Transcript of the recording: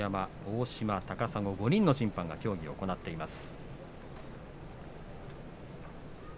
５人の審判が協議を行っています。